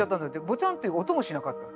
ボチャンっていう音もしなかった。